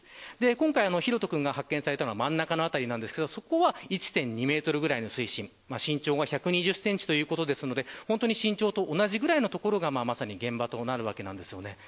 今回、大翔君が発見されたのは真ん中のあたりですがそこは１．２メートルぐらいの水深身長が１２０センチということですので身長と同じくらいのところがまさに現場となるわけです。